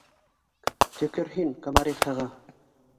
— Төкөр һин Комарихаға